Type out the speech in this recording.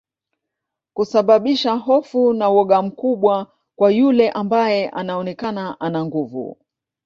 Kusababisha hofu na woga mkubwa kwa yule ambae anaonekana ana nguvu